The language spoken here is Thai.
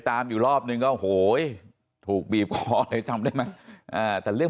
ตามอยู่รอบนึงก็โหยถูกบีบคอเลยจำได้ไหมแต่เรื่อง